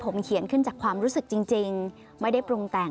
ขอไม่เคยบอกให้เรารักพ่อแต่พ่อเคยพูดให้เรารักกัน